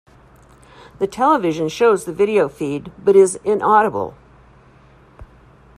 The television shows the video feed but is inaudible.